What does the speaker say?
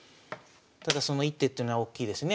ただその一手というのは大きいですね。